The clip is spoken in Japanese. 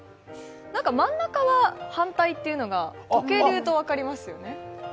真ん中は反対というのは、時計で言うと分かりますよね。